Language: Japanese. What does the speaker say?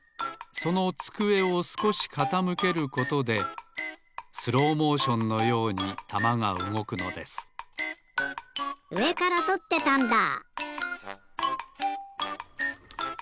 そのつくえをすこしかたむけることでスローモーションのようにたまがうごくのですうえからとってたんだ！